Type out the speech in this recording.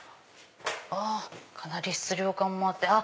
あかなり質量感もあって。